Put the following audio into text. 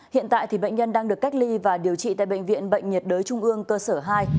hiện tại bệnh nhân đang được cách ly và điều trị tại bệnh viện bệnh nhiệt đới trung ương cơ sở hai